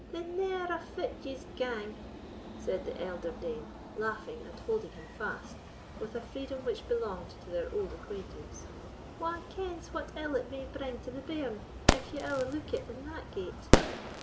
"The ne'er a fit ye's gang," said the elder dame, laughing and holding him fast, with a freedom which belonged to their old acquaintance; "wha kens what ill it may bring to the bairn, if ye owerlook it in that gate?"